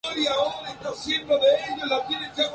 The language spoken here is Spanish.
Está situado en la zona meridional del krai.